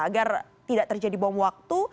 agar tidak terjadi bom waktu